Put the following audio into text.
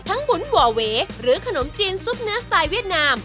บุ๋นหว่อเวหรือขนมจีนซุปเนื้อสไตล์เวียดนาม